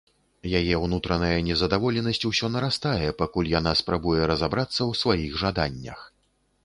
Яе ўнутраная незадаволенасць усё нарастае, пакуль яна спрабуе разабрацца ў сваіх жаданнях.